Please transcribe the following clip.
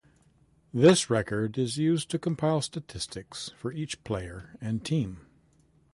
This record is used to compile statistics for each player and team.